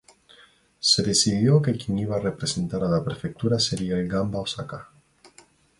Se decidió que quien iba a representar a la prefectura sería el Gamba Osaka.